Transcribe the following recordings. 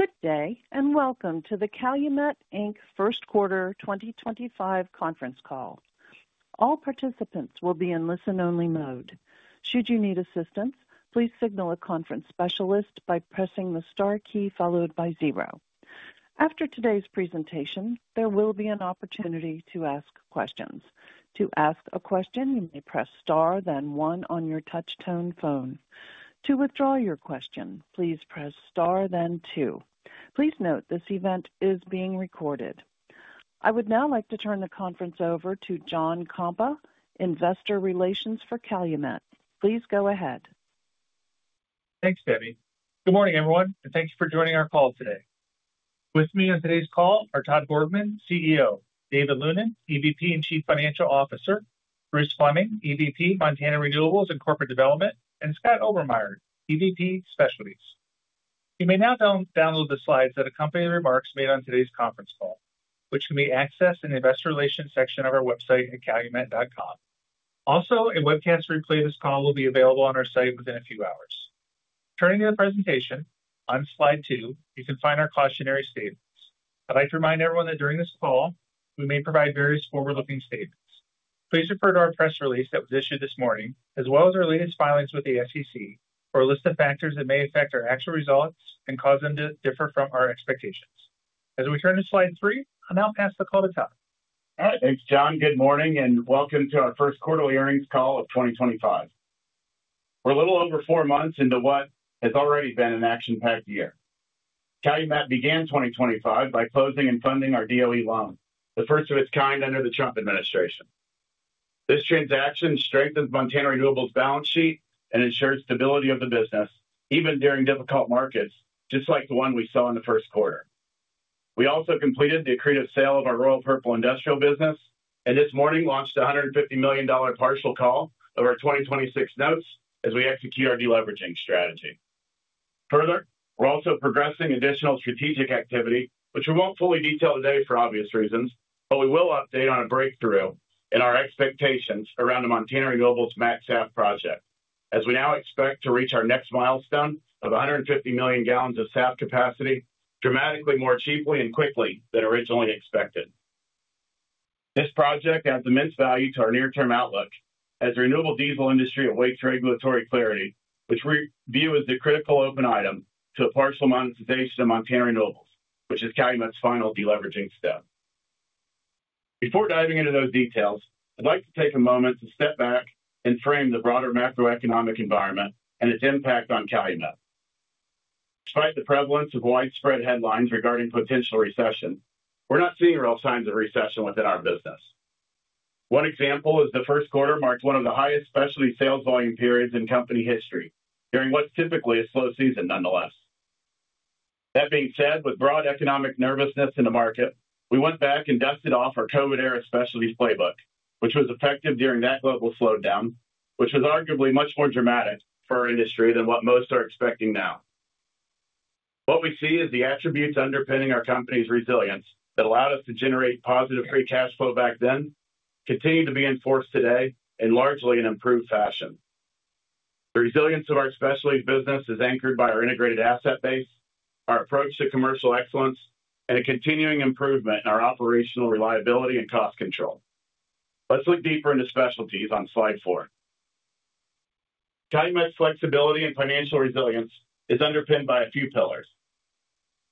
Good day, and welcome to the Calumet First Quarter 2025 conference call. All participants will be in listen-only mode. Should you need assistance, please signal a conference specialist by pressing the star key followed by zero. After today's presentation, there will be an opportunity to ask questions. To ask a question, you may press star, then one on your touch-tone phone. To withdraw your question, please press star, then two. Please note this event is being recorded. I would now like to turn the conference over to John Kompa, Investor Relations for Calumet. Please go ahead. Thanks, Debbie. Good morning, everyone, and thank you for joining our call today. With me on today's call are Todd Borgmann, CEO; David Lunin, EVP and Chief Financial Officer; Bruce Fleming, EVP, Montana Renewables and Corporate Development; and Scott Obermeier, EVP Specialties. You may now download the slides that accompany the remarks made on today's conference call, which can be accessed in the Investor Relations section of our website at calumet.com. Also, a webcast replay of this call will be available on our site within a few hours. Turning to the presentation, on slide two, you can find our cautionary statements. I'd like to remind everyone that during this call, we may provide various forward-looking statements. Please refer to our press release that was issued this morning, as well as our latest filings with the SEC, for a list of factors that may affect our actual results and cause them to differ from our expectations. As we turn to slide three, I'll now pass the call to Todd. All right. Thanks, John. Good morning, and welcome to our first quarterly earnings call of 2025. We're a little over four months into what has already been an action-packed year. Calumet began 2025 by closing and funding our DOE loan, the first of its kind under the Trump administration. This transaction strengthened Montana Renewables' balance sheet and ensured stability of the business, even during difficult markets just like the one we saw in the first quarter. We also completed the accretive sale of our Royal Purple industrial business and this morning launched a $150 million partial call of our 2026 notes as we execute our deleveraging strategy. Further, we're also progressing additional strategic activity, which we won't fully detail today for obvious reasons, but we will update on a breakthrough in our expectations around the Montana Renewables' MACSAF project, as we now expect to reach our next milestone of 150 million gallons of SAF capacity dramatically more cheaply and quickly than originally expected. This project adds immense value to our near-term outlook, as the renewable diesel industry awaits regulatory clarity, which we view as the critical open item to a partial monetization of Montana Renewables, which is Calumet's final deleveraging step. Before diving into those details, I'd like to take a moment to step back and frame the broader macroeconomic environment and its impact on Calumet. Despite the prevalence of widespread headlines regarding potential recession, we're not seeing real signs of recession within our business. One example is the first quarter marked one of the highest specialty sales volume periods in company history during what is typically a slow season, nonetheless. That being said, with broad economic nervousness in the market, we went back and dusted off our COVID-era specialties playbook, which was effective during that global slowdown, which was arguably much more dramatic for our industry than what most are expecting now. What we see is the attributes underpinning our company's resilience that allowed us to generate positive free cash flow back then continue to be enforced today in largely an improved fashion. The resilience of our specialties business is anchored by our integrated asset base, our approach to commercial excellence, and a continuing improvement in our operational reliability and cost control. Let's look deeper into specialties on slide four. Calumet's flexibility and financial resilience is underpinned by a few pillars.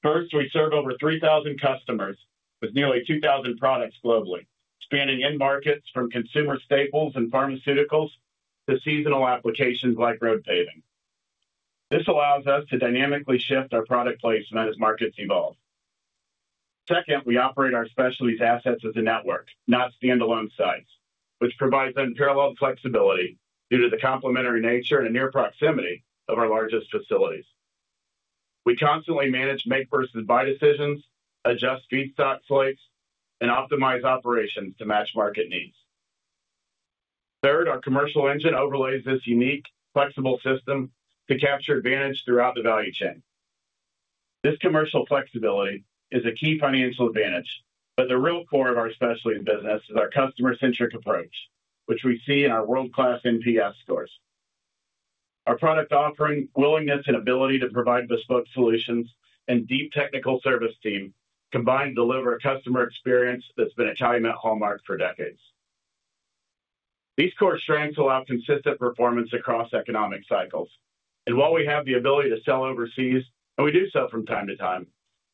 First, we serve over 3,000 customers with nearly 2,000 products globally, spanning end markets from consumer staples and pharmaceuticals to seasonal applications like road paving. This allows us to dynamically shift our product placement as markets evolve. Second, we operate our specialties assets as a network, not standalone sites, which provides unparalleled flexibility due to the complementary nature and near proximity of our largest facilities. We constantly manage make versus buy decisions, adjust feedstock slots, and optimize operations to match market needs. Third, our commercial engine overlays this unique flexible system to capture advantage throughout the value chain. This commercial flexibility is a key financial advantage, but the real core of our specialties business is our customer-centric approach, which we see in our world-class NPS scores. Our product offering, willingness, and ability to provide bespoke solutions and deep technical service team combine to deliver a customer experience that's been a Calumet hallmark for decades. These core strengths allow consistent performance across economic cycles. While we have the ability to sell overseas, and we do so from time to time,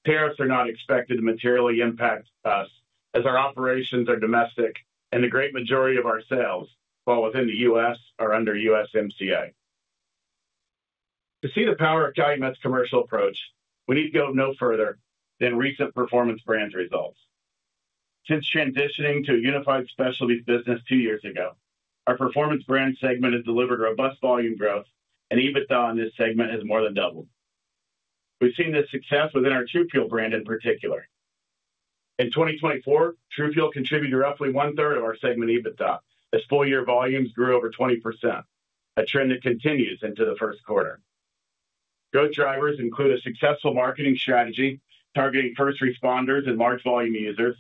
tariffs are not expected to materially impact us as our operations are domestic, and the great majority of our sales fall within the U.S. or under U.S. MCA. To see the power of Calumet's commercial approach, we need to go no further than recent performance brand results. Since transitioning to a unified specialties business two years ago, our performance brand segment has delivered robust volume growth, and EBITDA on this segment has more than doubled. We've seen this success within our TruFuel brand in particular. In 2024, TruFuel contributed roughly one-third of our segment EBITDA as full-year volumes grew over 20%, a trend that continues into the first quarter. Growth drivers include a successful marketing strategy targeting first responders and large volume users,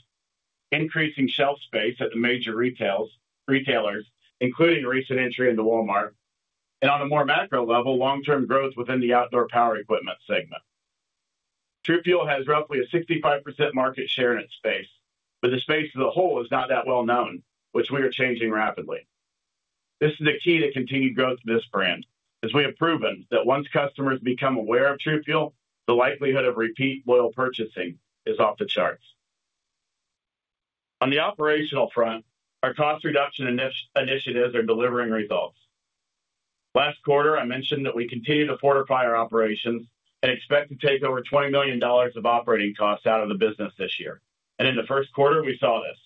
increasing shelf space at the major retailers, including recent entry into Walmart, and on a more macro level, long-term growth within the outdoor power equipment segment. TruFuel has roughly a 65% market share in its space, but the space as a whole is not that well known, which we are changing rapidly. This is the key to continued growth of this brand, as we have proven that once customers become aware of TruFuel, the likelihood of repeat loyal purchasing is off the charts. On the operational front, our cost reduction initiatives are delivering results. Last quarter, I mentioned that we continue to fortify our operations and expect to take over $20 million of operating costs out of the business this year. In the first quarter, we saw this.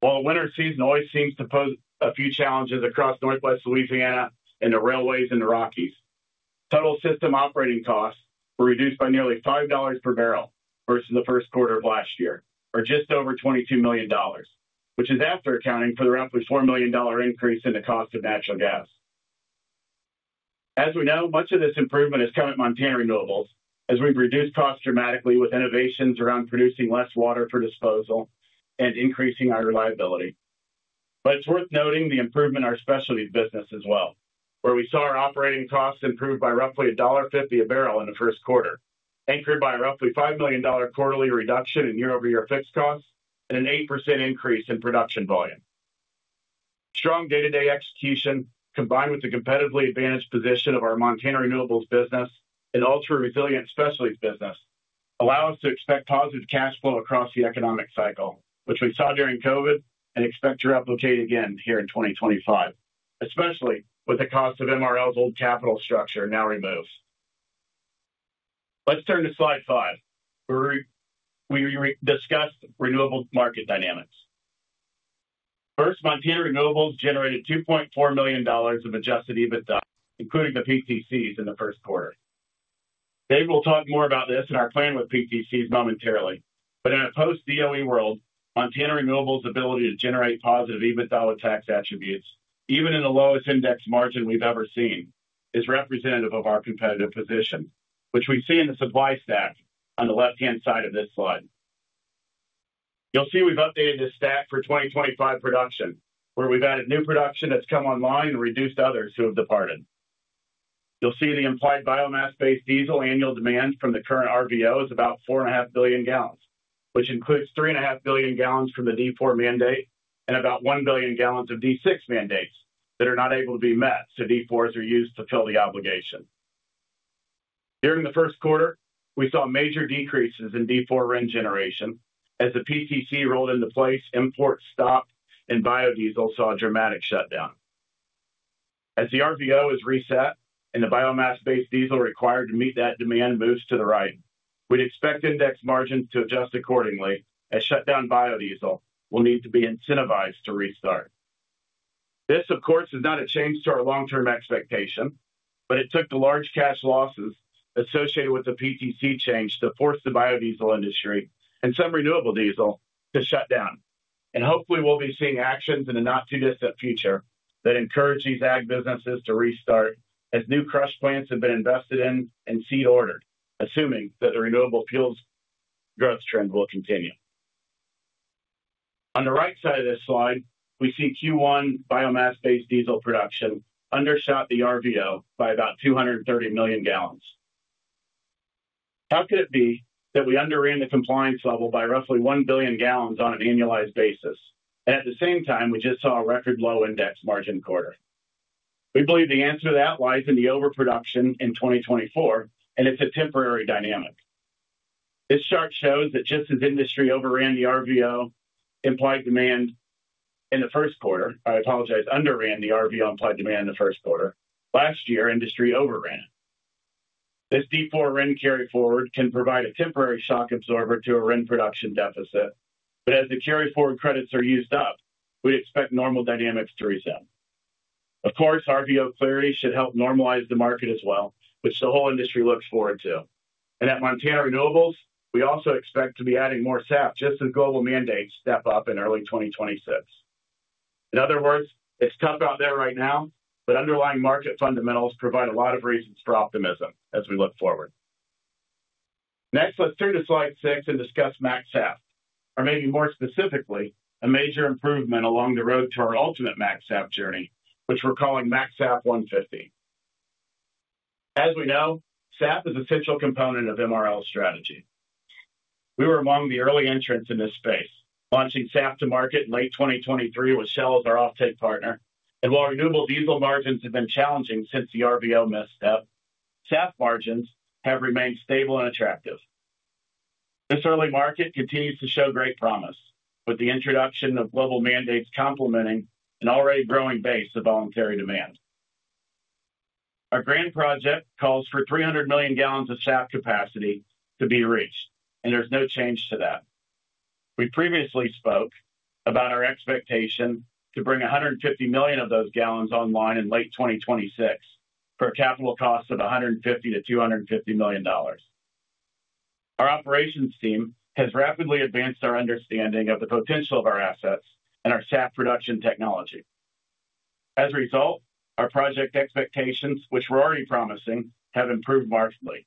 While the winter season always seems to pose a few challenges across Northwest Louisiana and the railways in the Rockies, total system operating costs were reduced by nearly $5 per barrel versus the first quarter of last year, or just over $22 million, which is after accounting for the roughly $4 million increase in the cost of natural gas. As we know, much of this improvement has come at Montana Renewables, as we've reduced costs dramatically with innovations around producing less water for disposal and increasing our reliability. It is worth noting the improvement in our specialties business as well, where we saw our operating costs improve by roughly $1.50 a barrel in the first quarter, anchored by a roughly $5 million quarterly reduction in year-over-year fixed costs and an 8% increase in production volume. Strong day-to-day execution, combined with the competitively advantaged position of our Montana Renewables business and ultra-resilient specialties business, allow us to expect positive cash flow across the economic cycle, which we saw during COVID and expect to replicate again here in 2025, especially with the cost of MRL's old capital structure now removed. Let's turn to slide five. We discussed renewable market dynamics. First, Montana Renewables generated $2.4 million of adjusted EBITDA, including the PTCs in the first quarter. Dave will talk more about this and our plan with PTCs momentarily, but in a post-DOE world, Montana Renewables' ability to generate positive EBITDA with tax attributes, even in the lowest index margin we've ever seen, is representative of our competitive position, which we see in the supply stack on the left-hand side of this slide. You'll see we've updated this stack for 2025 production, where we've added new production that's come online and reduced others who have departed. You'll see the implied biomass-based diesel annual demand from the current RVO is about 4.5 billion gallons, which includes 3.5 billion gallons from the D4 mandate and about 1 billion gallons of D6 mandates that are not able to be met, so D4s are used to fill the obligation. During the first quarter, we saw major decreases in D4 wind generation as the PTC rolled into place, imports stopped, and biodiesel saw a dramatic shutdown. As the RVO is reset and the biomass-based diesel required to meet that demand moves to the right, we'd expect index margins to adjust accordingly as shutdown biodiesel will need to be incentivized to restart. This, of course, is not a change to our long-term expectation, but it took the large cash losses associated with the PTC change to force the biodiesel industry and some renewable diesel to shut down. Hopefully, we'll be seeing actions in the not-too-distant future that encourage these ag businesses to restart as new crush plants have been invested in and seed ordered, assuming that the renewable fuels growth trend will continue. On the right side of this slide, we see Q1 biomass-based diesel production undershot the RVO by about 230 million gallons. How could it be that we underran the compliance level by roughly 1 billion gallons on an annualized basis, and at the same time, we just saw a record low index margin quarter? We believe the answer to that lies in the overproduction in 2024, and it is a temporary dynamic. This chart shows that just as industry overran the RVO implied demand in the first quarter—I apologize—underran the RVO implied demand in the first quarter, last year industry overran it. This D4 wind carry forward can provide a temporary shock absorber to a wind production deficit, but as the carry forward credits are used up, we expect normal dynamics to reset. Of course, RVO clarity should help normalize the market as well, which the whole industry looks forward to. At Montana Renewables, we also expect to be adding more SAF just as global mandates step up in early 2026. In other words, it's tough out there right now, but underlying market fundamentals provide a lot of reasons for optimism as we look forward. Next, let's turn to slide six and discuss MACSAF, or maybe more specifically, a major improvement along the road to our ultimate MACSAF journey, which we're calling MACSAF 150. As we know, SAF is an essential component of MRL strategy. We were among the early entrants in this space, launching SAF to market in late 2023 with Shell as our offtake partner. While renewable diesel margins have been challenging since the RVO misstep, SAF margins have remained stable and attractive. This early market continues to show great promise with the introduction of global mandates complementing an already growing base of voluntary demand. Our grand project calls for 300 million gallons of SAF capacity to be reached, and there's no change to that. We previously spoke about our expectation to bring 150 million of those gallons online in late 2026 for a capital cost of $150 million-$250 million. Our operations team has rapidly advanced our understanding of the potential of our assets and our SAF production technology. As a result, our project expectations, which were already promising, have improved markedly.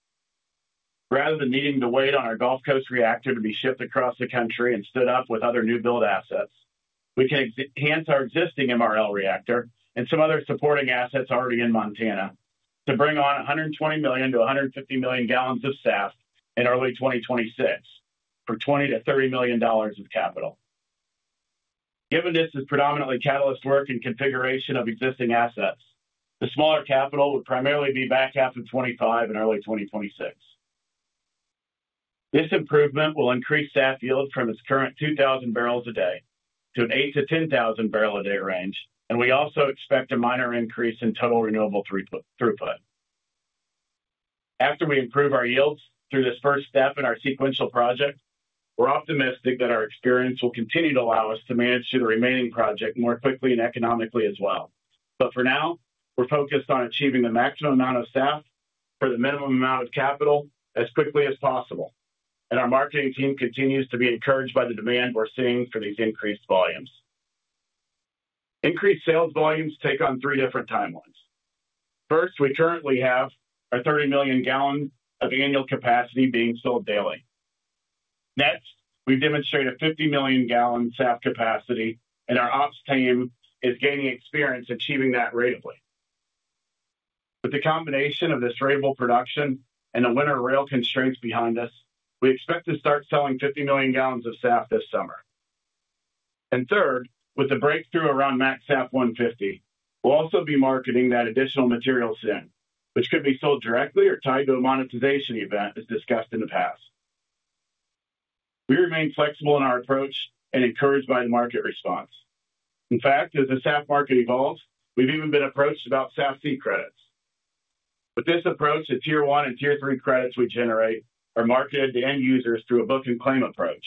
Rather than needing to wait on our Gulf Coast reactor to be shipped across the country and stood up with other new-build assets, we can enhance our existing MRL reactor and some other supporting assets already in Montana to bring on 120 million-150 million gallons of SAF in early 2026 for $20 million-$30 million of capital. Given this is predominantly catalyst work and configuration of existing assets, the smaller capital would primarily be back half of 2025 and early 2026. This improvement will increase SAF yield from its current 2,000 barrels a day to an 8,000-10,000 barrel a day range, and we also expect a minor increase in total renewable throughput. After we improve our yields through this first step in our sequential project, we're optimistic that our experience will continue to allow us to manage the remaining project more quickly and economically as well. For now, we're focused on achieving the maximum amount of SAF for the minimum amount of capital as quickly as possible. Our marketing team continues to be encouraged by the demand we're seeing for these increased volumes. Increased sales volumes take on three different timelines. First, we currently have our 30 million gallon of annual capacity being sold daily. Next, we demonstrate a 50 million gallon SAF capacity, and our ops team is gaining experience achieving that readily. With the combination of this variable production and the winter rail constraints behind us, we expect to start selling 50 million gallons of SAF this summer. Third, with the breakthrough around MACSAF 150, we'll also be marketing that additional materials in, which could be sold directly or tied to a monetization event as discussed in the past. We remain flexible in our approach and encouraged by the market response. In fact, as the SAF market evolves, we've even been approached about SAF seed credits. With this approach, the Tier 1 and Tier 3 credits we generate are marketed to end users through a book and claim approach,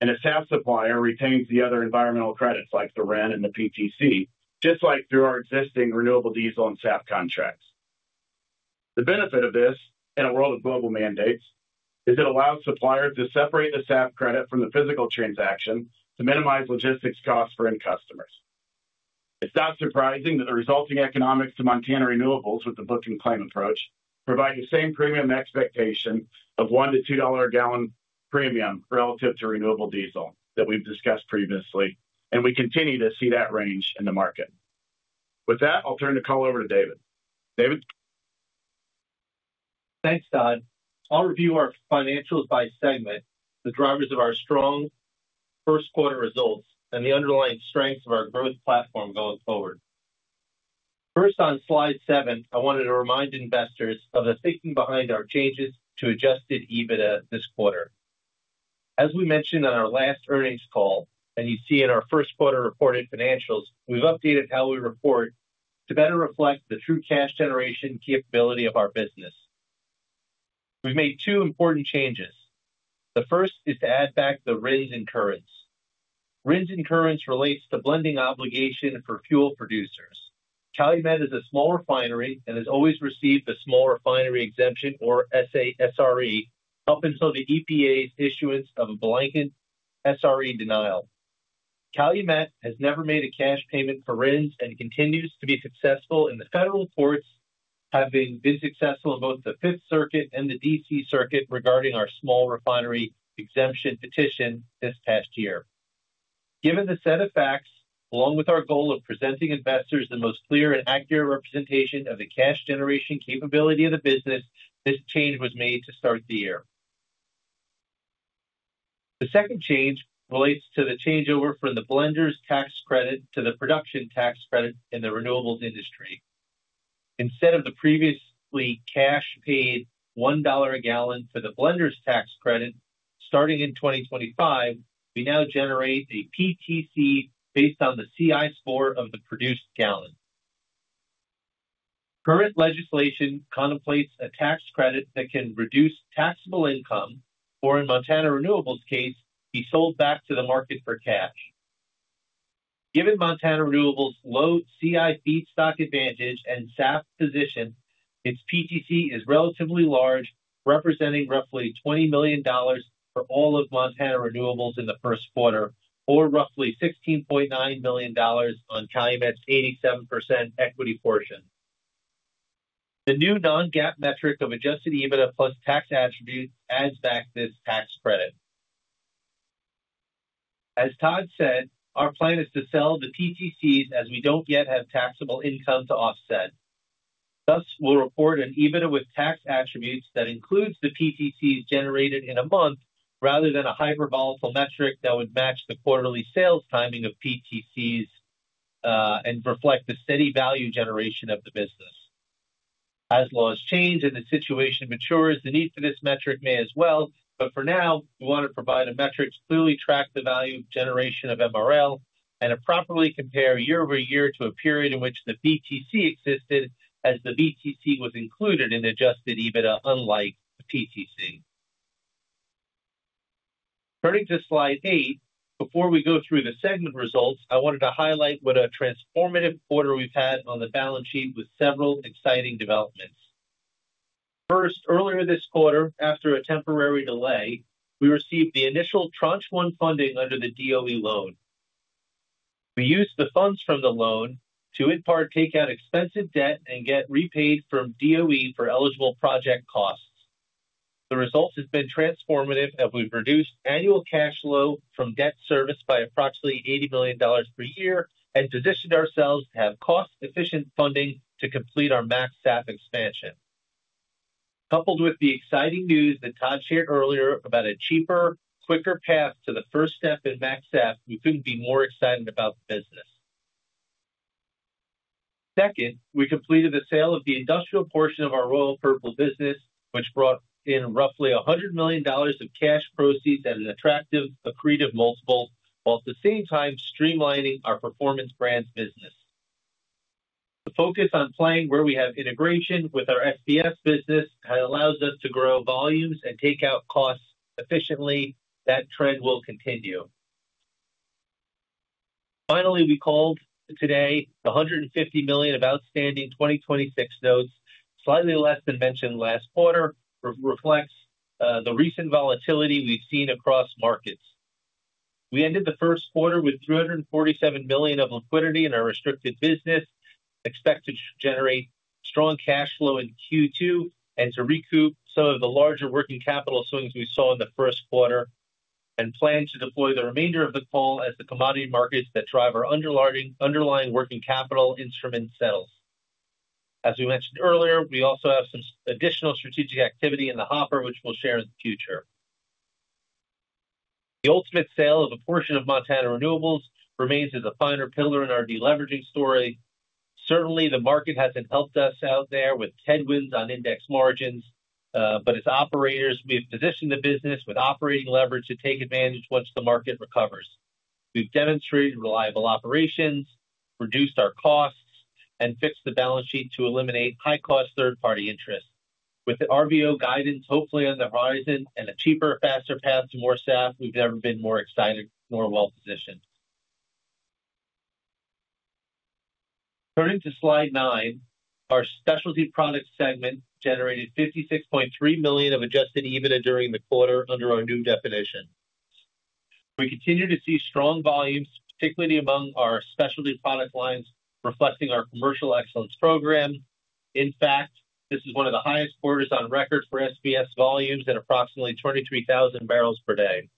and a SAF supplier retains the other environmental credits like the WRen and the PTC, just like through our existing renewable diesel and SAF contracts. The benefit of this in a world of global mandates is it allows suppliers to separate the SAF credit from the physical transaction to minimize logistics costs for end customers. It's not surprising that the resulting economics to Montana Renewables with the book and claim approach provide the same premium expectation of $1-$2 a gallon premium relative to renewable diesel that we've discussed previously, and we continue to see that range in the market. With that, I'll turn the call over to David. David. Thanks, Todd. I'll review our financials by segment, the drivers of our strong first quarter results, and the underlying strengths of our growth platform going forward. First, on slide seven, I wanted to remind investors of the thinking behind our changes to adjusted EBITDA this quarter. As we mentioned on our last earnings call, and you see in our first quarter reported financials, we've updated how we report to better reflect the true cash generation capability of our business. We've made two important changes. The first is to add back the RINs incurrence. RINs incurrence relates to blending obligation for fuel producers. Calumet is a small refinery and has always received a small refinery exemption or SRE up until the EPA's issuance of a blanket SRE denial. Calumet has never made a cash payment for RINs and continues to be successful in the federal courts, having been successful in both the Fifth Circuit and the D.C. Circuit regarding our small refinery exemption petition this past year. Given the set of facts, along with our goal of presenting investors the most clear and accurate representation of the cash generation capability of the business, this change was made to start the year. The second change relates to the changeover from the blenders tax credit to the production tax credit in the renewables industry. Instead of the previously cash-paid $1 a gallon for the blenders tax credit, starting in 2025, we now generate a PTC based on the CI score of the produced gallon. Current legislation contemplates a tax credit that can reduce taxable income, or in Montana Renewables' case, be sold back to the market for cash. Given Montana Renewables' low CI feedstock advantage and SAF position, its PTC is relatively large, representing roughly $20 million for all of Montana Renewables in the first quarter, or roughly $16.9 million on Calumet's 87% equity portion. The new non-GAAP metric of adjusted EBITDA plus tax attribute adds back this tax credit. As Todd said, our plan is to sell the PTCs as we do not yet have taxable income to offset. Thus, we will report an EBITDA with tax attributes that includes the PTCs generated in a month rather than a hypervolatile metric that would match the quarterly sales timing of PTCs and reflect the steady value generation of the business. As laws change and the situation matures, the need for this metric may as well, but for now, we want to provide a metric to clearly track the value generation of MRL and properly compare year over year to a period in which the PTC existed as the VTC was included in adjusted EBITDA, unlike the PTC. Turning to slide eight, before we go through the segment results, I wanted to highlight what a transformative quarter we've had on the balance sheet with several exciting developments. First, earlier this quarter, after a temporary delay, we received the initial tranche one funding under the DOE loan. We used the funds from the loan to in part take out expensive debt and get repaid from DOE for eligible project costs. The result has been transformative as we've reduced annual cash flow from debt service by approximately $80 million per year and positioned ourselves to have cost-efficient funding to complete our MACSAF expansion. Coupled with the exciting news that Todd shared earlier about a cheaper, quicker path to the first step in MACSAF, we couldn't be more excited about the business. Second, we completed the sale of the industrial portion of our Royal Purple business, which brought in roughly $100 million of cash proceeds at an attractive accretive multiple while at the same time streamlining our performance brand's business. The focus on playing where we have integration with our SBS business allows us to grow volumes and take out costs efficiently. That trend will continue. Finally, we called today the $150 million of outstanding 2026 notes, slightly less than mentioned last quarter, reflects the recent volatility we've seen across markets. We ended the first quarter with $347 million of liquidity in our restricted business, expected to generate strong cash flow in Q2 and to recoup some of the larger working capital swings we saw in the first quarter, and plan to deploy the remainder of the call as the commodity markets that drive our underlying working capital instrument settles. As we mentioned earlier, we also have some additional strategic activity in the hopper, which we'll share in the future. The ultimate sale of a portion of Montana Renewables remains as a finer pillar in our deleveraging story. Certainly, the market hasn't helped us out there with headwinds on index margins, but as operators, we have positioned the business with operating leverage to take advantage once the market recovers. We've demonstrated reliable operations, reduced our costs, and fixed the balance sheet to eliminate high-cost third-party interest. With the RVO guidance hopefully on the horizon and a cheaper, faster path to more SAF, we've never been more excited nor well-positioned. Turning to slide nine, our specialty product segment generated $56.3 million of adjusted EBITDA during the quarter under our new definition. We continue to see strong volumes, particularly among our specialty product lines reflecting our commercial excellence program. In fact, this is one of the highest quarters on record for SBS volumes at approximately 23,000 barrels per day.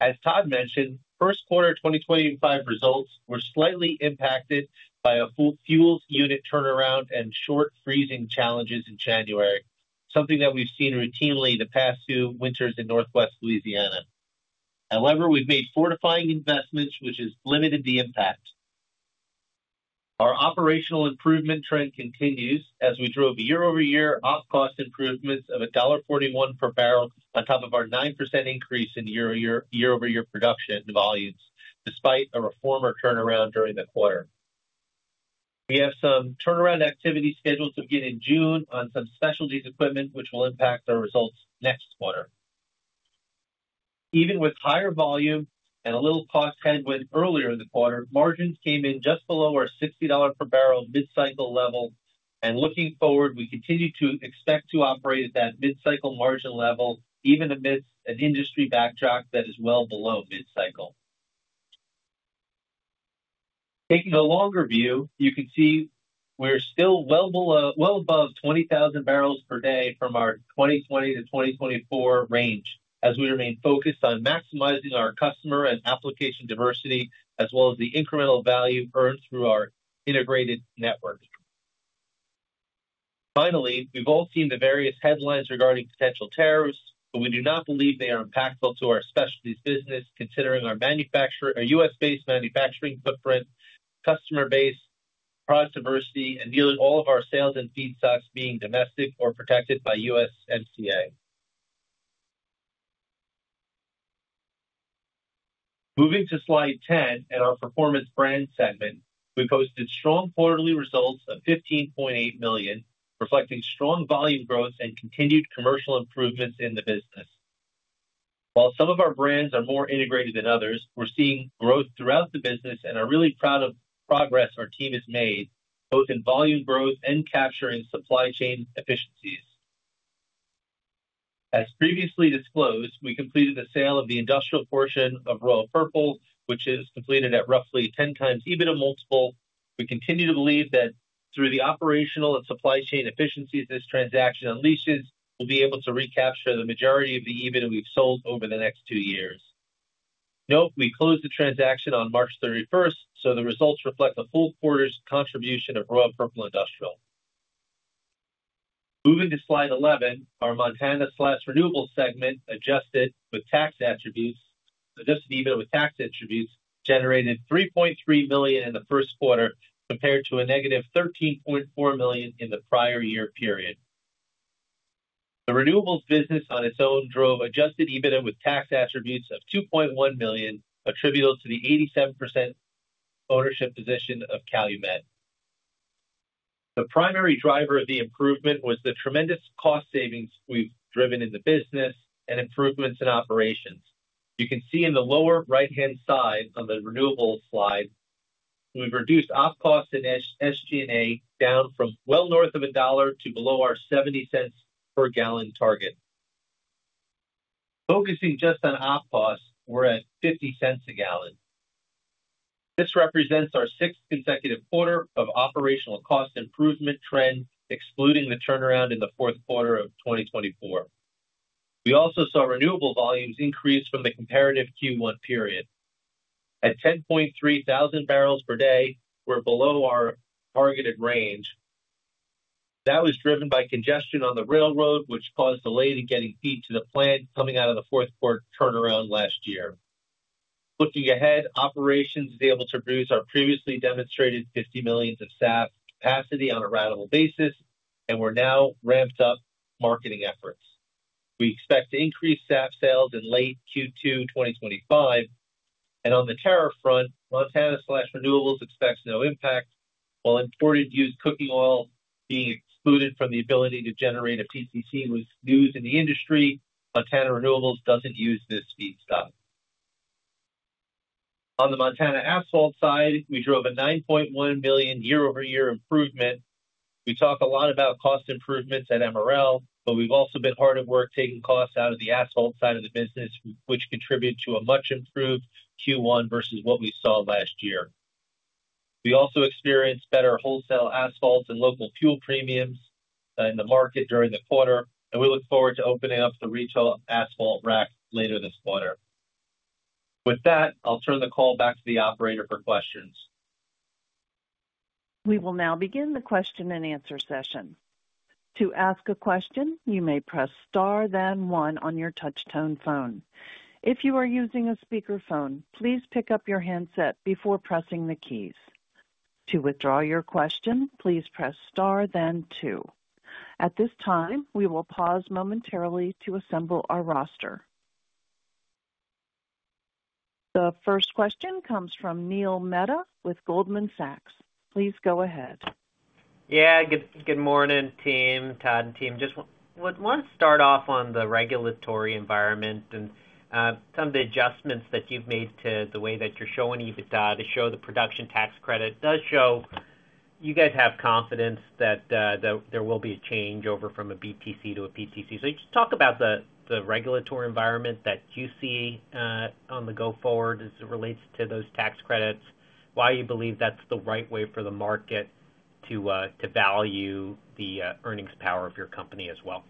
As Todd mentioned, first quarter 2025 results were slightly impacted by a fueled unit turnaround and short freezing challenges in January, something that we've seen routinely the past two winters in Northwest Louisiana. However, we've made fortifying investments, which has limited the impact. Our operational improvement trend continues as we drove year-over-year off-cost improvements of $1.41 per barrel on top of our 9% increase in year-over-year production volumes, despite a reformer turnaround during the quarter. We have some turnaround activity scheduled to begin in June on some specialties equipment, which will impact our results next quarter. Even with higher volume and a little cost headwind earlier in the quarter, margins came in just below our $60 per barrel mid-cycle level, and looking forward, we continue to expect to operate at that mid-cycle margin level even amidst an industry backdrop that is well below mid-cycle. Taking a longer view, you can see we're still well above 20,000 barrels per day from our 2020 to 2024 range as we remain focused on maximizing our customer and application diversity, as well as the incremental value earned through our integrated network. Finally, we've all seen the various headlines regarding potential tariffs, but we do not believe they are impactful to our specialties business, considering our U.S.-based manufacturing footprint, customer base, product diversity, and nearly all of our sales and feedstocks being domestic or protected by U.S. FDA. Moving to slide 10 and our performance brand segment, we posted strong quarterly results of $15.8 million, reflecting strong volume growth and continued commercial improvements in the business. While some of our brands are more integrated than others, we're seeing growth throughout the business and are really proud of the progress our team has made, both in volume growth and capturing supply chain efficiencies. As previously disclosed, we completed the sale of the industrial portion of Royal Purple, which is completed at roughly 10 times EBITDA multiple. We continue to believe that through the operational and supply chain efficiencies this transaction unleashes, we'll be able to recapture the majority of the EBITDA we've sold over the next two years. Note, we closed the transaction on March 31, so the results reflect a full quarter's contribution of Royal Purple Industrial. Moving to slide 11, our Montana Renewables segment adjusted with tax attributes, adjusted EBITDA with tax attributes generated $3.3 million in the first quarter compared to a negative $13.4 million in the prior year period. The renewables business on its own drove adjusted EBITDA with tax attributes of $2.1 million, attributable to the 87% ownership position of Calumet. The primary driver of the improvement was the tremendous cost savings we've driven in the business and improvements in operations. You can see in the lower right-hand side on the renewables slide, we've reduced off-cost and SG&A down from well north of $1 to below our $0.70 per gallon target. Focusing just on off-cost, we're at $0.50 a gallon. This represents our sixth consecutive quarter of operational cost improvement trend, excluding the turnaround in the fourth quarter of 2024. We also saw renewable volumes increase from the comparative Q1 period. At 10,300 barrels per day, we're below our targeted range. That was driven by congestion on the railroad, which caused delayed getting feed to the plant coming out of the fourth quarter turnaround last year. Looking ahead, operations is able to produce our previously demonstrated $50 million of SAF capacity on a runnable basis, and we're now ramped up marketing efforts. We expect to increase SAF sales in late Q2 2025. On the tariff front, Montana Renewables expects no impact, while imported used cooking oil being excluded from the ability to generate a PTC was news in the industry. Montana Renewables does not use this feedstock. On the Montana asphalt side, we drove a $9.1 million year-over-year improvement. We talk a lot about cost improvements at MRL, but we have also been hard at work taking costs out of the asphalt side of the business, which contributed to a much improved Q1 versus what we saw last year. We also experienced better wholesale asphalt and local fuel premiums in the market during the quarter, and we look forward to opening up the retail asphalt rack later this quarter. With that, I will turn the call back to the operator for questions. We will now begin the question and answer session. To ask a question, you may press Star, then one on your touch-tone phone. If you are using a speakerphone, please pick up your handset before pressing the keys. To withdraw your question, please press Star, then Two. At this time, we will pause momentarily to assemble our roster. The first question comes from Neil Mehta with Goldman Sachs. Please go ahead. Yeah, good morning, team, Todd and team. Just want to start off on the regulatory environment and some of the adjustments that you've made to the way that you're showing EBITDA to show the production tax credit does show you guys have confidence that there will be a change over from a BTC to a PTC. Just talk about the regulatory environment that you see on the go forward as it relates to those tax credits, why you believe that's the right way for the market to value the earnings power of your company as well.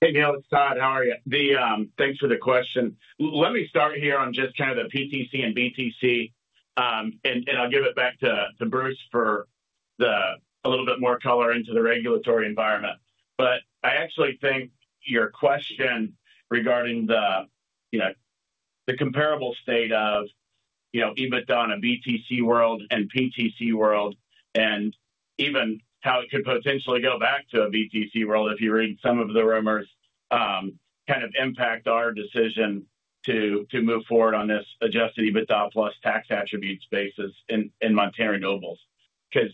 Hey, Neil, it's Todd, how are you? Thanks for the question. Let me start here on just kind of the PTC and BTC, and I'll give it back to Bruce for a little bit more color into the regulatory environment. I actually think your question regarding the comparable state of EBITDA in a BTC world and PTC world, and even how it could potentially go back to a BTC world if you read some of the rumors, kind of impact our decision to move forward on this adjusted EBITDA plus tax attributes basis in Montana Renewables. Because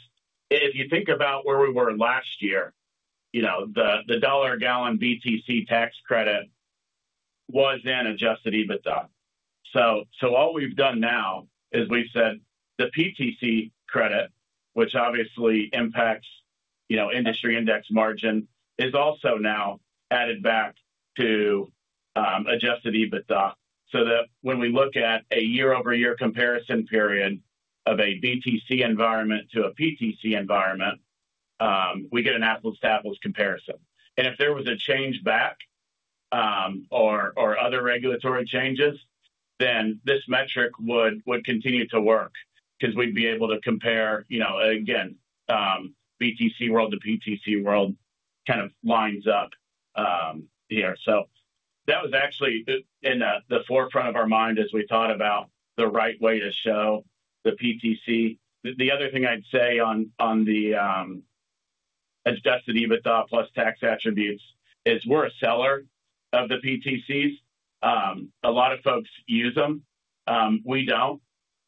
if you think about where we were last year, the $1 a gallon BTC tax credit was then adjusted EBITDA. All we've done now is we've said the PTC credit, which obviously impacts industry index margin, is also now added back to adjusted EBITDA so that when we look at a year-over-year comparison period of a BTC environment to a PTC environment, we get an apples-to-apples comparison. If there was a change back or other regulatory changes, then this metric would continue to work because we'd be able to compare, again, BTC world to PTC world kind of lines up here. That was actually in the forefront of our mind as we thought about the right way to show the PTC. The other thing I'd say on the adjusted EBITDA plus tax attributes is we're a seller of the PTCs. A lot of folks use them. We don't.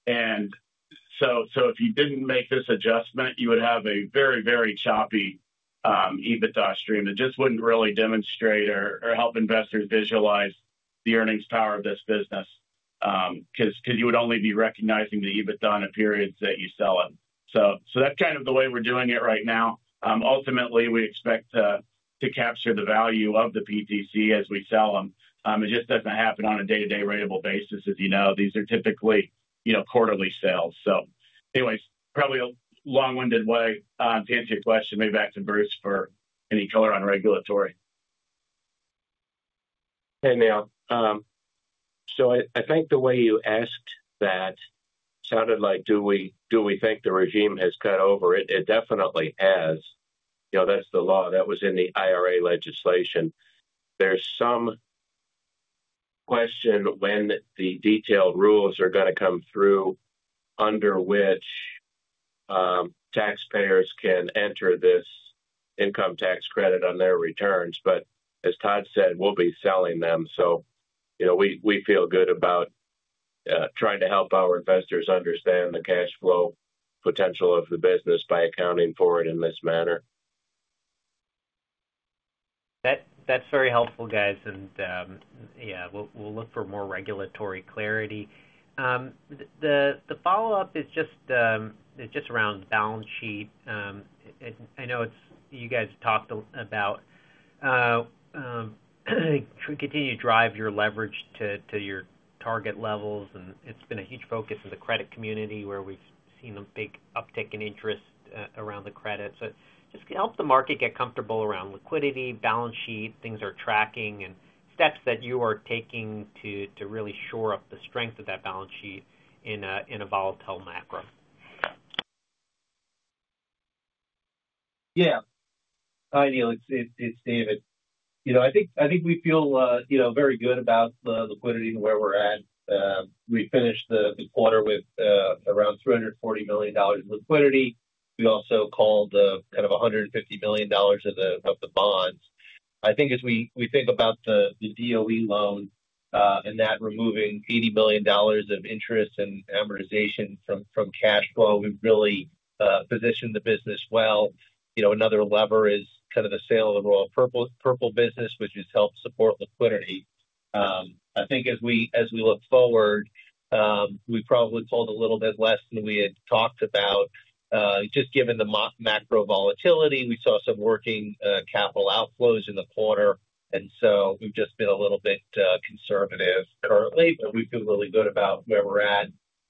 If you didn't make this adjustment, you would have a very, very choppy EBITDA stream. It just would not really demonstrate or help investors visualize the earnings power of this business because you would only be recognizing the EBITDA in the periods that you sell it. That is kind of the way we are doing it right now. Ultimately, we expect to capture the value of the PTC as we sell them. It just does not happen on a day-to-day ratable basis, as you know. These are typically quarterly sales. Anyways, probably a long-winded way to answer your question. Maybe back to Bruce for any color on regulatory. Hey, Neil. I think the way you asked that sounded like, "Do we think the regime has cut over?" It definitely has. That is the law. That was in the IRA legislation. There is some question when the detailed rules are going to come through under which taxpayers can enter this income tax credit on their returns. As Todd said, we'll be selling them. We feel good about trying to help our investors understand the cash flow potential of the business by accounting for it in this manner. That's very helpful, guys. Yeah, we'll look for more regulatory clarity. The follow-up is just around balance sheet. I know you guys talked about continuing to drive your leverage to your target levels. It's been a huge focus in the credit community where we've seen a big uptick in interest around the credit. Just help the market get comfortable around liquidity, balance sheet, things are tracking, and steps that you are taking to really shore up the strength of that balance sheet in a volatile macro. Yeah. Hi, Neil. It's David. I think we feel very good about the liquidity and where we're at. We finished the quarter with around $340 million in liquidity. We also called kind of $150 million of the bonds. I think as we think about the DOE loan and that removing $80 million of interest and amortization from cash flow, we've really positioned the business well. Another lever is kind of the sale of the Royal Purple business, which has helped support liquidity. I think as we look forward, we probably pulled a little bit less than we had talked about. Just given the macro volatility, we saw some working capital outflows in the quarter. And so we've just been a little bit conservative currently, but we feel really good about where we're at.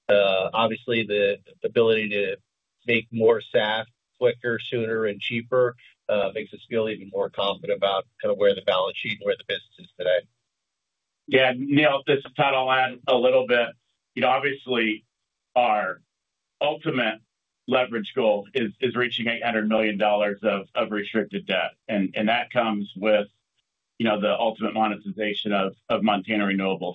Obviously, the ability to make more SAF quicker, sooner, and cheaper makes us feel even more confident about kind of where the balance sheet and where the business is today. Yeah. Neil, this is Todd, I'll add a little bit. Obviously, our ultimate leverage goal is reaching $800 million of restricted debt. That comes with the ultimate monetization of Montana Renewables.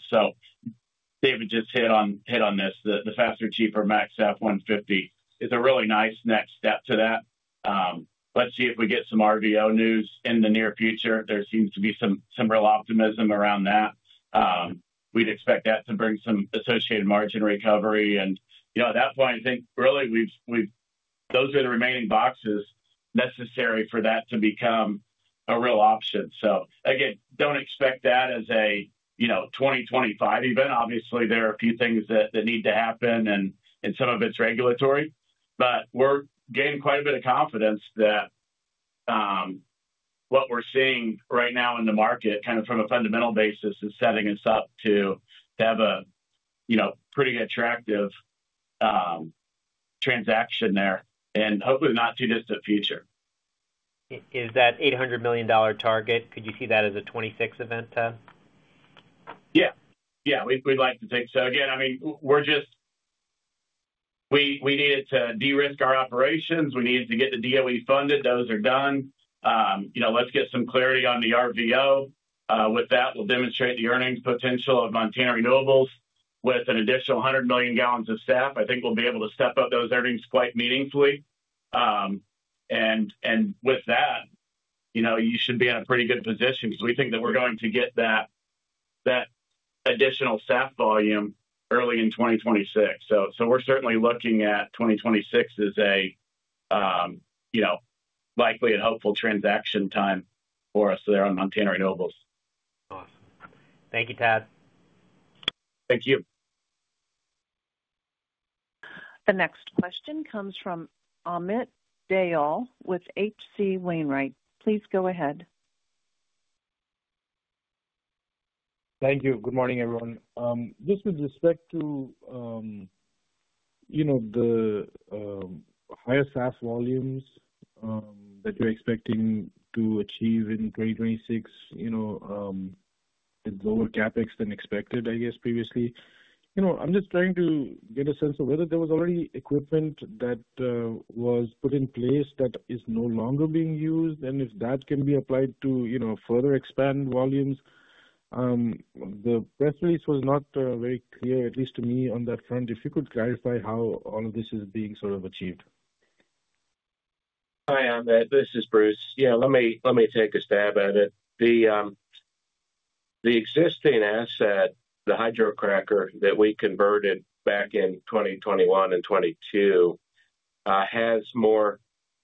David just hit on this. The faster, cheaper max SAF 150 is a really nice next step to that. Let's see if we get some RVO news in the near future. There seems to be some real optimism around that. We'd expect that to bring some associated margin recovery. At that point, I think really those are the remaining boxes necessary for that to become a real option. Again, don't expect that as a 2025 event. Obviously, there are a few things that need to happen and some of it's regulatory. We're gaining quite a bit of confidence that what we're seeing right now in the market, kind of from a fundamental basis, is setting us up to have a pretty attractive transaction there in hopefully not too distant future. Is that $800 million target? Could you see that as a 2026 event, Todd? Yeah. Yeah. We'd like to take, so again, I mean, we needed to de-risk our operations. We needed to get the DOE funded. Those are done. Let's get some clarity on the RVO. With that, we'll demonstrate the earnings potential of Montana Renewables with an additional 100 million gallons of SAF. I think we'll be able to step up those earnings quite meaningfully. And with that, you should be in a pretty good position because we think that we're going to get that additional SAF volume early in 2026. We're certainly looking at 2026 as a likely and hopeful transaction time for us there on Montana Renewables. Awesome. Thank you, Todd. Thank you. The next question comes from Amit Dayal with H.C. Wainwright. Please go ahead. Thank you. Good morning, everyone. Just with respect to the higher SAF volumes that you're expecting to achieve in 2026, it's over CapEx than expected, I guess, previously. I'm just trying to get a sense of whether there was already equipment that was put in place that is no longer being used and if that can be applied to further expand volumes. The press release was not very clear, at least to me, on that front. If you could clarify how all of this is being sort of achieved. Hi, Amit. This is Bruce. Yeah, let me take a stab at it. The existing asset, the Hydro Cracker that we converted back in 2021 and 2022, has more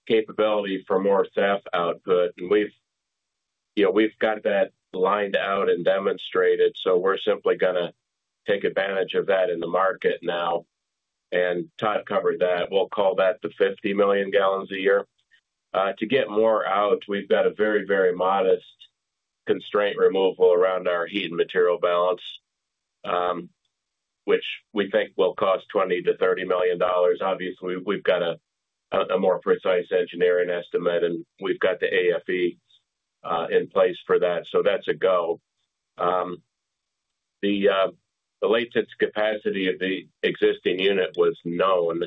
capability for more SAF output. We have got that lined out and demonstrated. We are simply going to take advantage of that in the market now. Todd covered that. We will call that the 50 million gallons a year. To get more out, we have got a very, very modest constraint removal around our heat and material balance, which we think will cost $20 million-$30 million. Obviously, we have got a more precise engineering estimate, and we have got the AFE in place for that. That is a go. The latest capacity of the existing unit was known,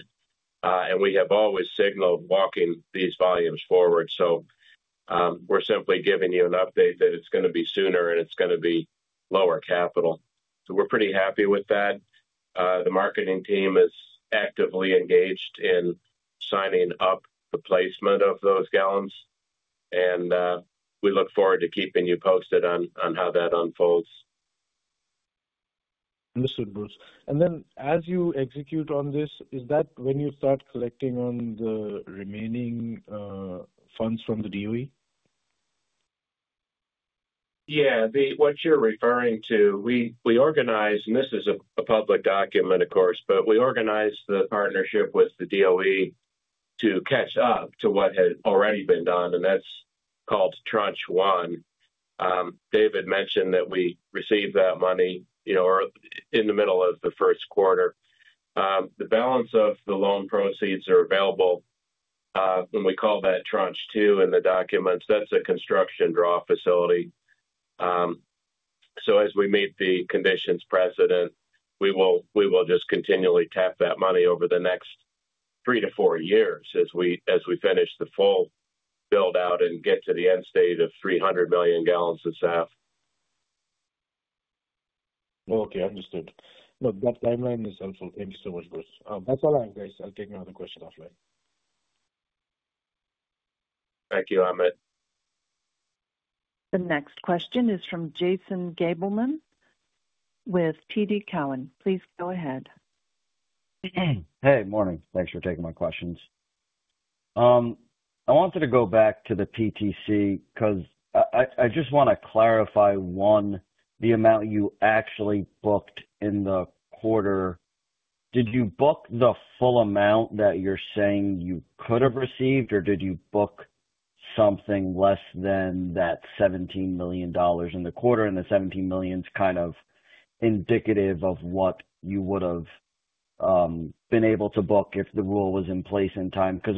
and we have always signaled walking these volumes forward. We are simply giving you an update that it is going to be sooner and it is going to be lower capital. We are pretty happy with that. The marketing team is actively engaged in signing up the placement of those gallons. We look forward to keeping you posted on how that unfolds. Understood, Bruce. As you execute on this, is that when you start collecting on the remaining funds from the DOE? Yeah. What you are referring to, we organize—and this is a public document, of course—but we organize the partnership with the DOE to catch up to what had already been done. That is called tranche one. David mentioned that we received that money in the middle of the first quarter. The balance of the loan proceeds are available, and we call that tranche two in the documents. That is a construction draw facility. As we meet the conditions precedent, we will just continually tap that money over the next three to four years as we finish the full build-out and get to the end state of 300 million gallons of SAF. Okay. Understood. No, that timeline is helpful. Thank you so much, Bruce. That's all I have, guys. I'll take another question offline. Thank you, Amit. The next question is from Jason Gabelman with TD Cowen. Please go ahead. Hey, morning. Thanks for taking my questions. I wanted to go back to the PTC because I just want to clarify one, the amount you actually booked in the quarter. Did you book the full amount that you're saying you could have received, or did you book something less than that $17 million in the quarter? The $17 million is kind of indicative of what you would have been able to book if the rule was in place in time because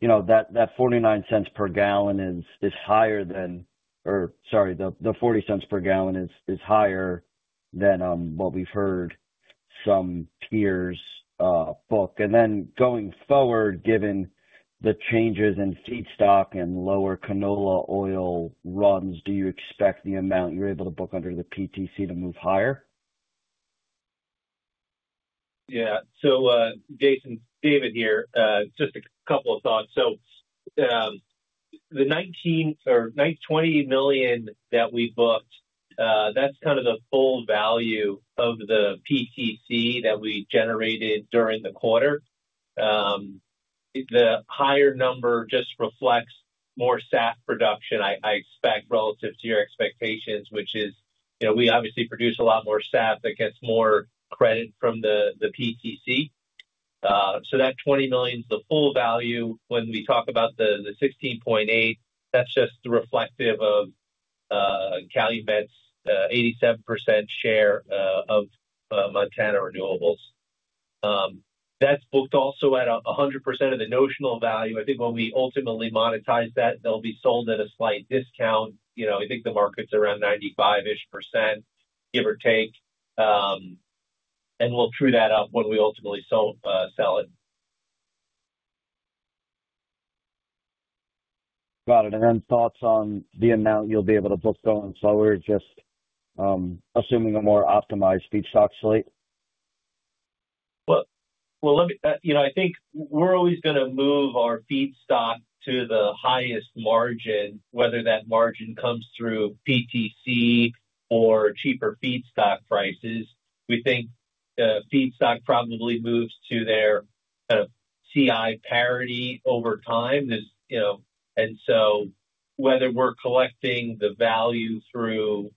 that $0.49 per gallon is higher than—or sorry, the $0.40 per gallon is higher than what we have heard some peers book. Going forward, given the changes in feedstock and lower canola oil runs, do you expect the amount you are able to book under the PTC to move higher? Yeah. Jason, David here, just a couple of thoughts. The $20 million that we booked, that is kind of the full value of the PTC that we generated during the quarter. The higher number just reflects more SAF production, I expect, relative to your expectations, which is we obviously produce a lot more SAF that gets more credit from the PTC. That $20 million is the full value. When we talk about the 16.8, that's just reflective of Calumet's 87% share of Montana Renewables. That's booked also at 100% of the notional value. I think when we ultimately monetize that, they'll be sold at a slight discount. I think the market's around 95%ish, give or take. And we'll true that up when we ultimately sell it. Got it. Thoughts on the amount you'll be able to book going forward, just assuming a more optimized feedstock slate? I think we're always going to move our feedstock to the highest margin, whether that margin comes through PTC or cheaper feedstock prices. We think feedstock probably moves to their kind of CI parity over time. And so whether we're collecting the value through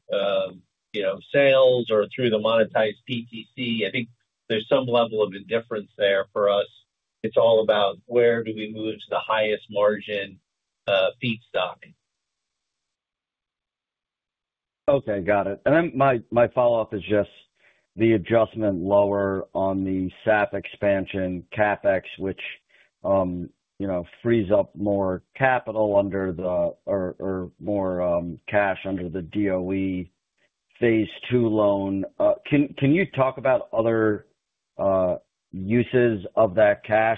sales or through the monetized PTC, I think there's some level of indifference there for us. It's all about where do we move to the highest margin feedstock. Okay. Got it. My follow-up is just the adjustment lower on the SAF expansion capex, which frees up more capital or more cash under the DOE phase two loan. Can you talk about other uses of that cash?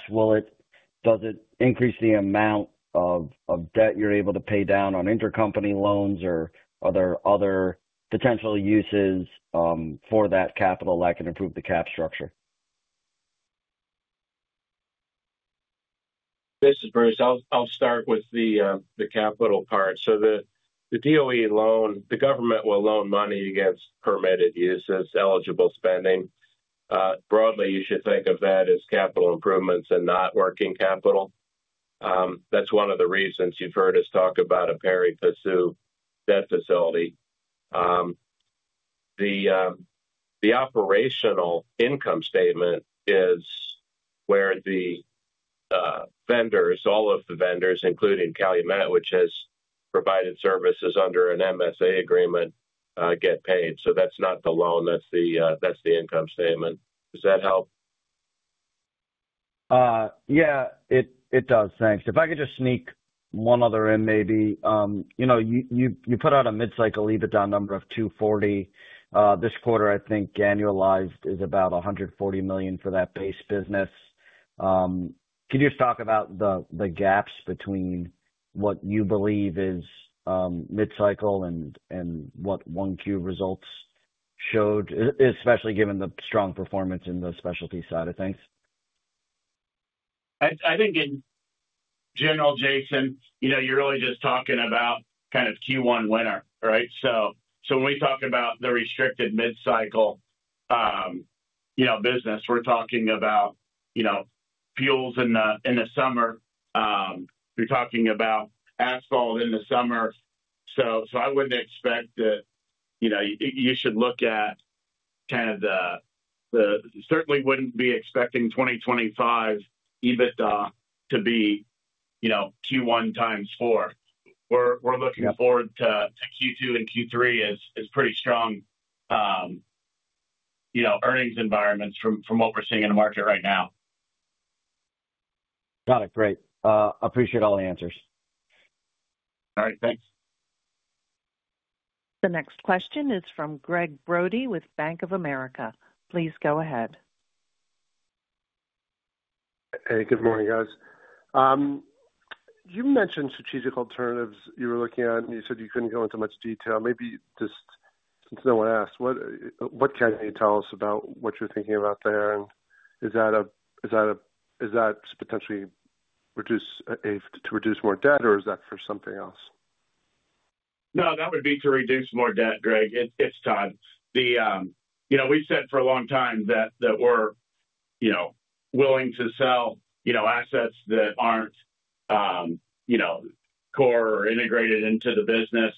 Does it increase the amount of debt you're able to pay down on intercompany loans or are there other potential uses for that capital that can improve the cap structure? This is Bruce. I'll start with the capital part. The DOE loan, the government will loan money against permitted uses, eligible spending. Broadly, you should think of that as capital improvements and not working capital. That's one of the reasons you've heard us talk about a pari passu debt facility. The operational income statement is where the vendors, all of the vendors, including Calumet, which has provided services under an MSA agreement, get paid. That is not the loan. That is the income statement. Does that help? Yeah, it does. Thanks. If I could just sneak one other in, maybe. You put out a mid-cycle EBITDA number of $240 million. This quarter, I think annualized is about $140 million for that base business. Can you just talk about the gaps between what you believe is mid-cycle and what Q1 results showed, especially given the strong performance in the specialty side of things? I think in general, Jason, you are really just talking about kind of Q1 winter, right? When we talk about the restricted mid-cycle business, we are talking about fuels in the summer. You are talking about asphalt in the summer. I would not expect that you should look at, kind of, the—certainly would not be expecting 2025 EBITDA to be Q1 times four. We are looking forward to Q2 and Q3 as pretty strong earnings environments from what we are seeing in the market right now. Got it. Great. Appreciate all the answers. All right. Thanks. The next question is from Gregg Brody with Bank of America. Please go ahead. Hey, good morning, guys. You mentioned strategic alternatives you were looking at, and you said you could not go into much detail. Maybe just since no one asked, what can you tell us about what you are thinking about there? And is that a—is that potentially to reduce more debt, or is that for something else? No, that would be to reduce more debt, Gregg. It's Todd. We've said for a long time that we're willing to sell assets that aren't core or integrated into the business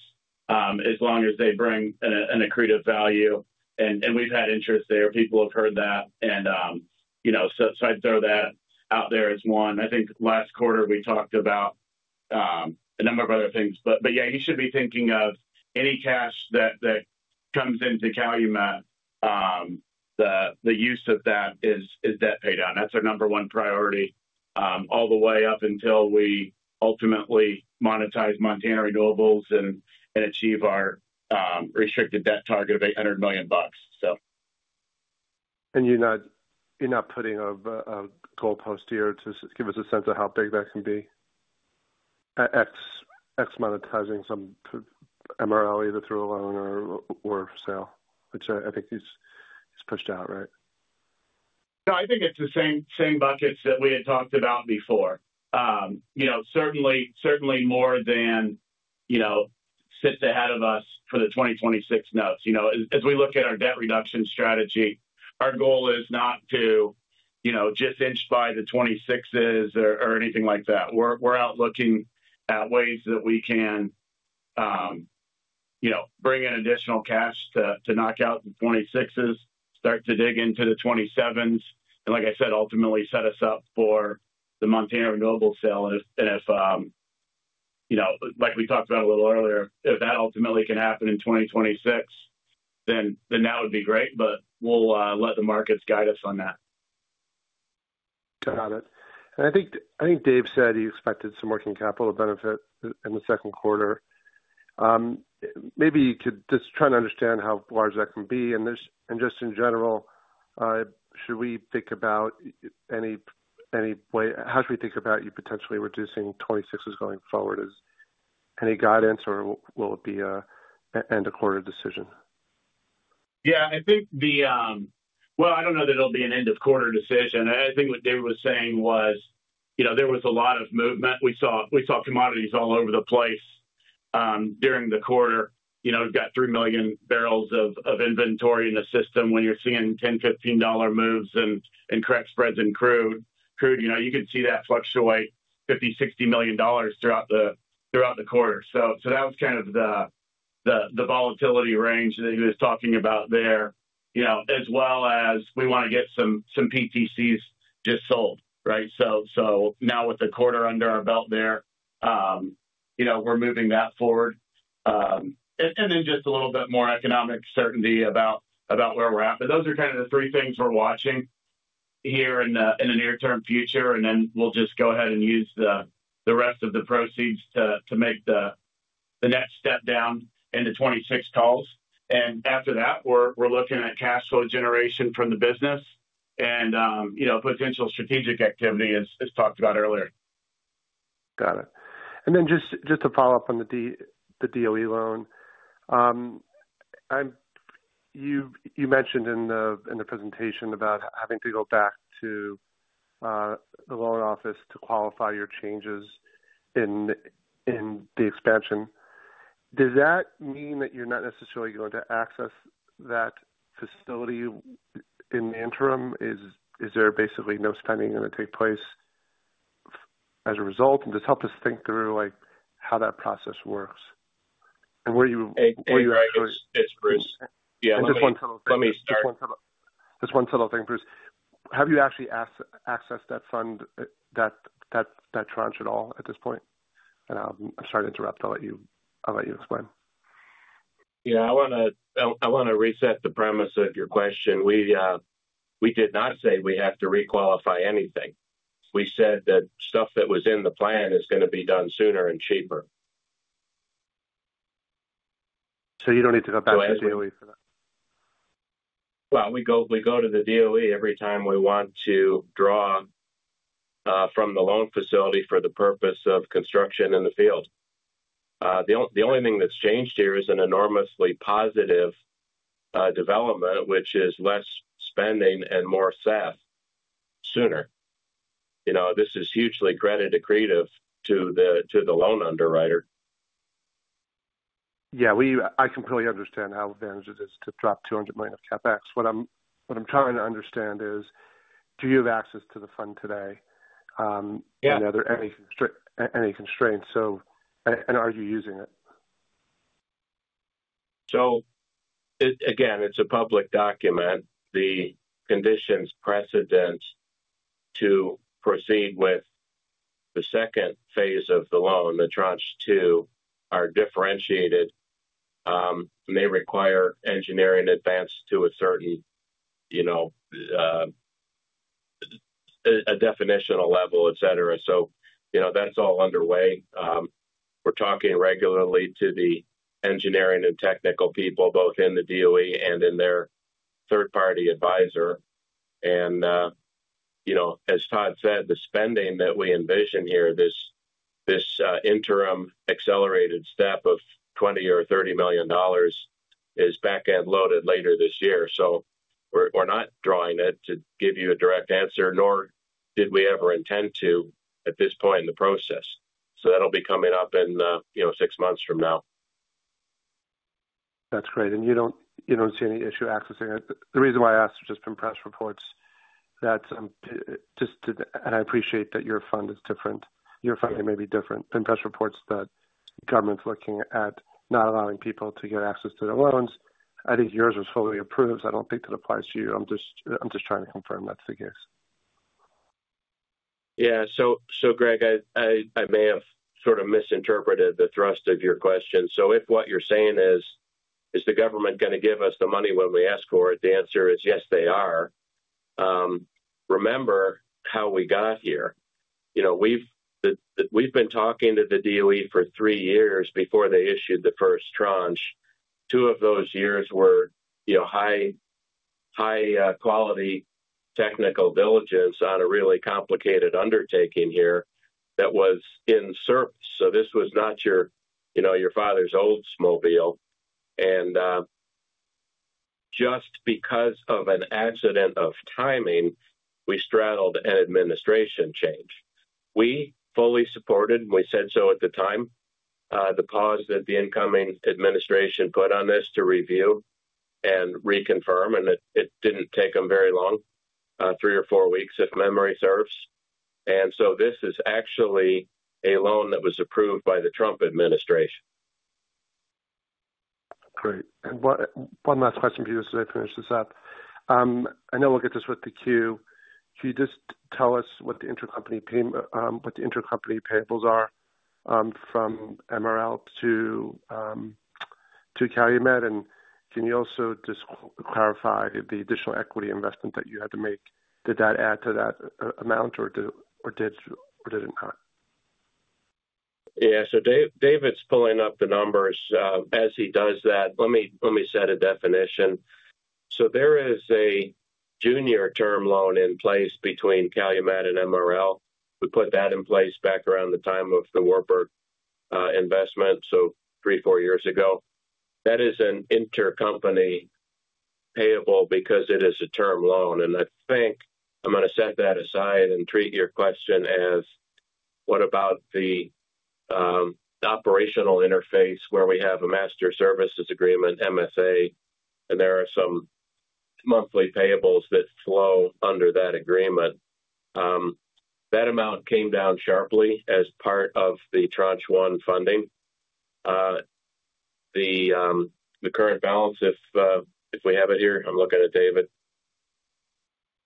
as long as they bring an accretive value. We've had interest there. People have heard that. I'd throw that out there as one. I think last quarter, we talked about a number of other things. You should be thinking of any cash that comes into Calumet, the use of that is debt paid out. That's our number one priority all the way up until we ultimately monetize Montana Renewables and achieve our restricted debt target of $800 million. You're not putting a goalpost here to give us a sense of how big that can be? X monetizing some MRL either through a loan or sale, which I think is pushed out, right? No, I think it's the same buckets that we had talked about before. Certainly more than sits ahead of us for the 2026 notes. As we look at our debt reduction strategy, our goal is not to just inch by the 26s or anything like that. We're out looking at ways that we can bring in additional cash to knock out the 26s, start to dig into the 27s, and like I said, ultimately set us up for the Montana Renewables sale. If, like we talked about a little earlier, if that ultimately can happen in 2026, then that would be great. We'll let the markets guide us on that. Got it. I think Dave said he expected some working capital benefit in the second quarter. Maybe you could just try to understand how large that can be. Just in general, should we think about any way—how should we think about you potentially reducing 26s going forward? Is any guidance, or will it be an end-of-quarter decision? I think the—I do not know that it will be an end-of-quarter decision. I think what David was saying was there was a lot of movement. We saw commodities all over the place during the quarter. We have 3 million barrels of inventory in the system. When you are seeing $10-$15 moves in crack spreads and crude, you could see that fluctuate $50-$60 million throughout the quarter. That was kind of the volatility range that he was talking about there, as well as we want to get some PTCs just sold, right? Now with the quarter under our belt there, we are moving that forward. Just a little bit more economic certainty about where we're at. Those are kind of the three things we're watching here in the near-term future. We'll just go ahead and use the rest of the proceeds to make the next step down into 26 calls. After that, we're looking at cash flow generation from the business and potential strategic activity as talked about earlier. Got it. Just to follow up on the DOE loan, you mentioned in the presentation about having to go back to the loan office to qualify your changes in the expansion. Does that mean that you're not necessarily going to access that facility in the interim? Is there basically no spending going to take place as a result? Just help us think through how that process works and where you're actually—It's Bruce. Yeah, just one subtle thing. Just one subtle thing, Bruce. Have you actually accessed that fund, that tranche at all at this point? I'm sorry to interrupt. I'll let you explain. Yeah, I want to reset the premise of your question. We did not say we have to requalify anything. We said that stuff that was in the plan is going to be done sooner and cheaper. You do not need to go back to the DOE for that? We go to the DOE every time we want to draw from the loan facility for the purpose of construction in the field. The only thing that has changed here is an enormously positive development, which is less spending and more SAF sooner. This is hugely credit-accretive to the loan underwriter. Yeah, I completely understand how advantageous it is to drop $200 million of capex. What I'm trying to understand is, do you have access to the fund today? Are there any constraints? And are you using it? Again, it's a public document. The conditions precedent to proceed with the second phase of the loan, the tranche two, are differentiated. They require engineering advance to a certain definitional level, etc. That's all underway. We're talking regularly to the engineering and technical people, both in the DOE and in their third-party advisor. As Todd said, the spending that we envision here, this interim accelerated step of $20 million-$30 million, is backend loaded later this year. We're not drawing it to give you a direct answer, nor did we ever intend to at this point in the process. That'll be coming up in six months from now. That's great. You don't see any issue accessing it? The reason why I asked is just from press reports that—and I appreciate that your fund is different. Your funding may be different. In press reports that government's looking at not allowing people to get access to their loans, I think yours was fully approved. So I do not think that applies to you. I'm just trying to confirm that's the case. Yeah. Gregg, I may have sort of misinterpreted the thrust of your question. If what you're saying is, "Is the government going to give us the money when we ask for it?" The answer is yes, they are. Remember how we got here. We've been talking to the DOE for three years before they issued the first tranche. Two of those years were high-quality technical diligence on a really complicated undertaking here that was in surface. This was not your father's oldsmobile. Just because of an accident of timing, we straddled an administration change. We fully supported, and we said so at the time, the pause that the incoming administration put on this to review and reconfirm. It did not take them very long, three or four weeks, if memory serves. This is actually a loan that was approved by the Trump administration. Great. One last question for you just to finish this up. I know we will get this with the queue. Can you just tell us what the intercompany payables are from MRL to Calumet? Can you also just clarify the additional equity investment that you had to make? Did that add to that amount, or did it not? Yeah. David is pulling up the numbers as he does that. Let me set a definition. There is a junior term loan in place between Calumet and MRL. We put that in place back around the time of the Warburg investment, so three, four years ago. That is an intercompany payable because it is a term loan. I think I am going to set that aside and treat your question as, what about the operational interface where we have a master services agreement, MSA, and there are some monthly payables that flow under that agreement? That amount came down sharply as part of the tranche one funding. The current balance, if we have it here, I am looking at David.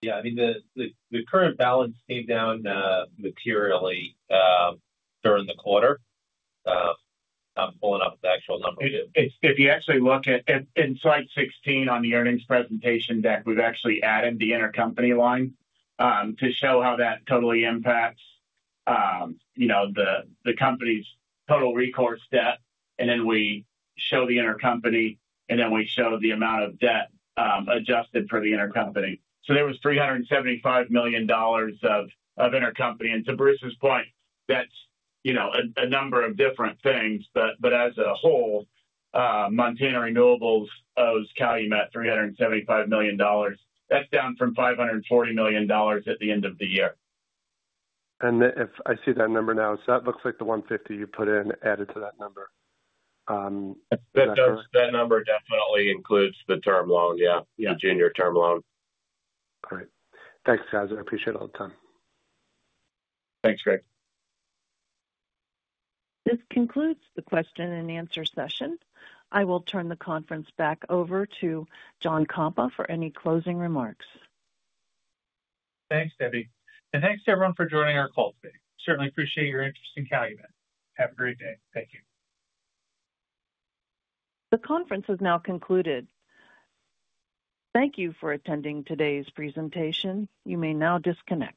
Yeah. I mean, the current balance came down materially during the quarter. I am pulling up the actual number. If you actually look at slide 16 on the earnings presentation deck, we've actually added the intercompany line to show how that totally impacts the company's total recourse debt. And then we show the intercompany, and then we show the amount of debt adjusted for the intercompany. So there was $375 million of intercompany. And to Bruce's point, that's a number of different things. But as a whole, Montana Renewables owes Calumet $375 million. That's down from $540 million at the end of the year. And I see that number now. So that looks like the 150 you put in added to that number. That number definitely includes the term loan, yeah, the junior term loan. Great. Thanks, guys. I appreciate all the time. Thanks, Greg. This concludes the question and answer session. I will turn the conference back over to John Kompa for any closing remarks. Thanks, Debbie. Thanks to everyone for joining our call today. Certainly appreciate your interest in Calumet. Have a great day. Thank you. The conference has now concluded. Thank you for attending today's presentation. You may now disconnect.